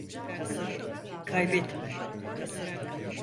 Kaybetme.